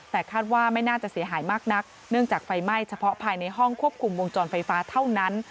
แต่คาดว่าไม่น่าจะเสียหายมากนักเนื่องจากไฟไหม้เฉพาะภายในห้องควบคุมวงจรไฟฟ้าเท่านั้น